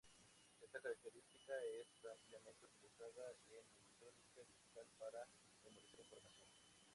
Esta característica es ampliamente utilizada en electrónica digital para memorizar información.